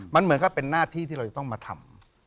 มันเหมือนก็เป็นหน้าที่ที่เราจะต้องมาทำ